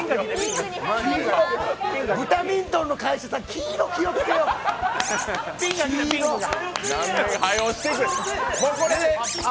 ブタミントンの会社さん、黄色、気をつけよ。はよしてくれ。